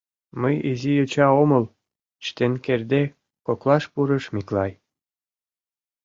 — Мый изи йоча омыл! — чытен кертде, коклаш пурыш Миклай.